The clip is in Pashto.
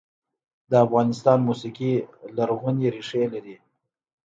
د افغانستان موسیقي لرغونې ریښې لري